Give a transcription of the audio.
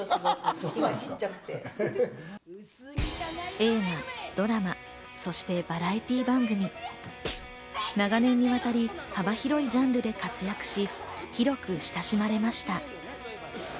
映画、ドラマ、そしてバラエティー番組、長年にわたり幅広いジャンルで活躍し、広く親しまれました。